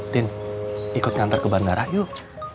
tim ikut nyantar ke bandara yuk